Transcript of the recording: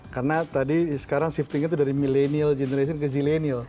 karena tadi sekarang shiftingnya itu dari millennial generation ke zillennial